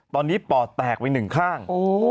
ตอนนี้ปอดแตกไปหนึ่งข้าง